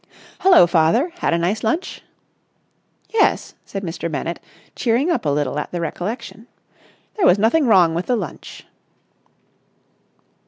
"Hullo, father. Had a nice lunch?" "Yes," said Mr. Bennett, cheering up a little at the recollection. "There was nothing wrong with the lunch."